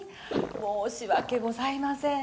申し訳ございません。